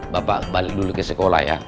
bapak balik dulu ke sekolah ya